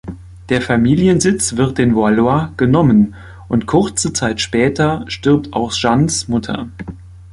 Der Familiensitz wird den Valois’ genommen und kurze Zeit später stirbt auch Jeannes Mutter.